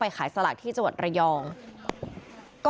พุ่งเข้ามาแล้วกับแม่แค่สองคน